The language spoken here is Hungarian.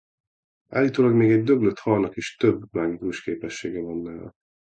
Állítólag még egy döglött halnak is több mágikus képessége van nála.